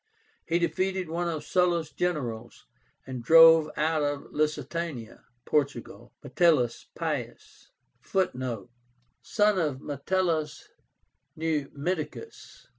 He defeated one of Sulla's generals, and drove out of Lusitania (Portugal) METELLUS PIUS,(Footnote: Son of Metellus Numidicus.